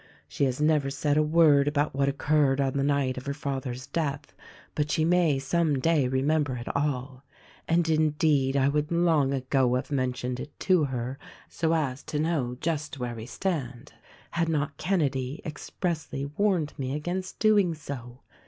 She has never said a word about what occurred on the night of her father's death ; but she may some day remember it all. And, indeed, I would long ago have mentioned it to her so as to know just where we stand, had not Kenedy expressly warned me against doing so.